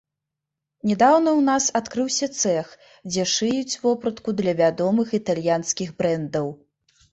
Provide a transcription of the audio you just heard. Нядаўна ў нас адкрыўся цэх, дзе шыюць вопратку для вядомых італьянскіх брэндаў.